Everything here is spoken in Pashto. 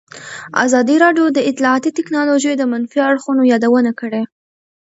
ازادي راډیو د اطلاعاتی تکنالوژي د منفي اړخونو یادونه کړې.